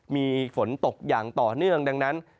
มีฝนตกอย่างต่อเนื่องดังนั้น